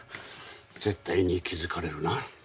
絶対に気づかれるな。